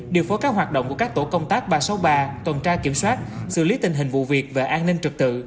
điều phối các hoạt động của các tổ công tác ba trăm sáu mươi ba tuần tra kiểm soát xử lý tình hình vụ việc về an ninh trực tự